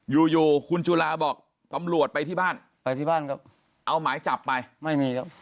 อยู่อยู่คุณจุลาบอกตำรวจไปที่บ้านไปที่บ้านครับเอาหมายจับไปไม่มีครับ